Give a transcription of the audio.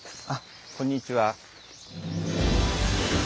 あっこんにちは。